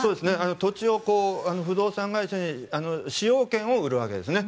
土地を、不動産会社に使用権を売るわけですね。